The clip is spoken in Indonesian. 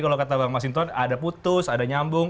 kalau kata bang mas hinton ada putus ada nyambung